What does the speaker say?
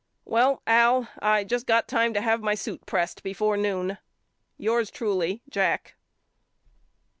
Well Al I just got time to have my suit pressed before noon. Yours truly, JACK.